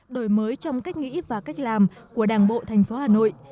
đổi mới trong cách nghĩ và cách làm của đảng bộ thành phố hà nội